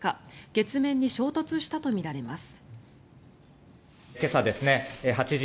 月面に衝突したとみられます。